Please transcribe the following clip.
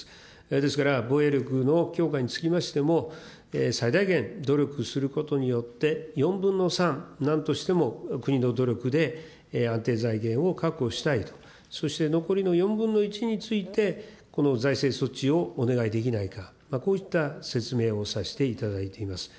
ですから、防衛力の強化につきましても、最大限努力することによって、４分の３、なんとしても国の努力で安定財源を確保したいと、そして残りの４分の１について、この財政措置をお願いできないか、こういった説明をさせていただいています。